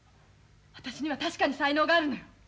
私には確かに才能があるのよ。